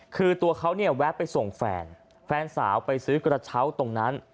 คือตัวเขาเนี่ยแวะไปส่งแฟนแฟนสาวไปซื้อกระเช้าตรงนั้น